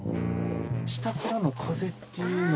下からの風っていうのは。